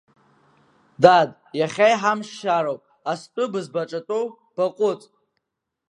Дад, иахьа иҳамшшьароуп, астәы бызбаҿатәоу, баҟәыҵ!